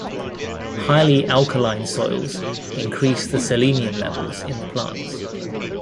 Highly alkaline soils increase the selenium levels in the plants.